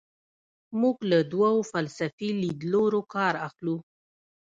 موږ له دوو فلسفي لیدلورو کار اخلو.